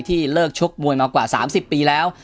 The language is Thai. เลิกชกมวยมากว่า๓๐ปีแล้ว